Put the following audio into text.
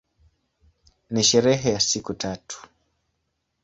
Ni sherehe ya siku tatu.